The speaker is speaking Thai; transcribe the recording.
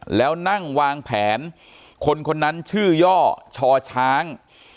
แล้วนั่งวางแผนคนคนนั้นชื่อย่อชอช้าง